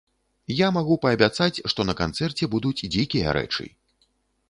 Я магу паабяцаць, што на канцэрце будуць дзікія рэчы!